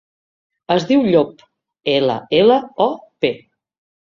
Es diu Llop: ela, ela, o, pe.